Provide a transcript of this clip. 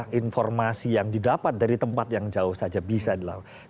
karena informasi yang didapat dari tempat yang jauh saja bisa dilakukan